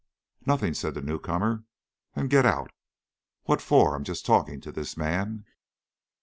"Nothing," said the new comer. "Then get out." "What for? I'm just talking to this man."